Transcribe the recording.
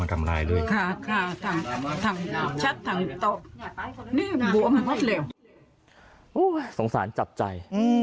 โอ้ยสงสารจับใจ